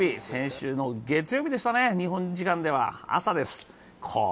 先週の月曜日でしたね、日本時間では朝です。